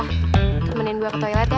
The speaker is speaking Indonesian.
rama afifah temenin gue ke toilet ya